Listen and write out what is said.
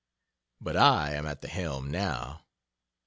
But I am at the helm, now.